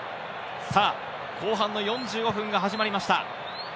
後半の４５分が始まりました。